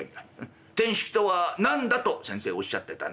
てんしきとは何だと先生おっしゃってたな」。